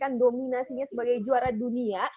akan dominasinya sebagai juara dunia